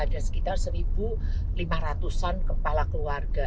ada sekitar satu lima ratus an kepala keluarga